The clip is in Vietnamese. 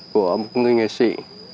của một người nghệ sĩ